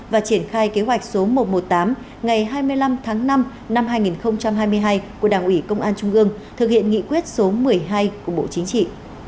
và triển khai kế hoạch số một trăm một mươi tám ngày hai mươi năm tháng năm năm hai nghìn hai mươi hai của đảng ủy công an trung ương thực hiện nghị quyết số một mươi hai của bộ chính trị